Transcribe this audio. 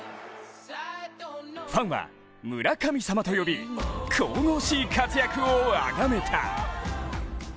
ファンは村神様と呼び神々しい活躍をあがめた。